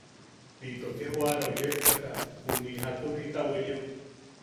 Into ke jo’arao yepsaka, juni’i jakun jita weyeo…